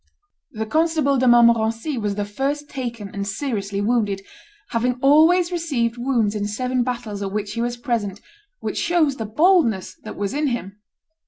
The Constable de Montmorency was the first taken, and seriously wounded, having always received wounds in seven battles at which he was present, which shows the boldness that was in him.